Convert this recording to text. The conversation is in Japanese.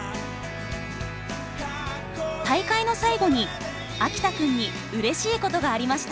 大会の最後に秋田くんにうれしいことがありました。